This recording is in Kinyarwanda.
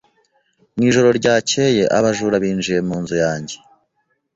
Mu ijoro ryakeye, abajura binjiye mu nzu yanjye.